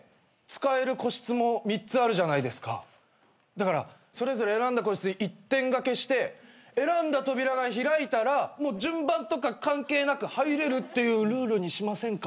だからそれぞれ選んだ個室一点賭けして選んだ扉が開いたら順番とか関係なく入れるっていうルールにしませんか？